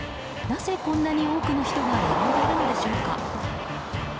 なぜこんなに多くの人が並んでいるのでしょうか。